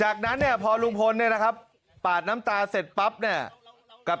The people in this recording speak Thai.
เห็นลุงพยายามที่จะไม่เข้าไปใกล้